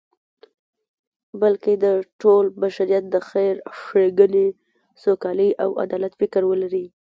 بلکی د ټول بشریت د خیر، ښیګڼی، سوکالی او عدالت فکر ولری